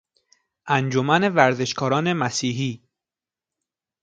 انجمن ورزشکاران مسیحی